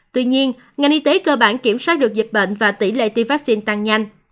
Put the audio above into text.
tuy nhiên ngành y tế cơ bản kiểm soát được dịch bệnh và tỷ lệ tiêm vaccine tăng nhanh